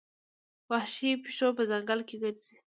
وحشي پیشو په ځنګل کې ګرځي.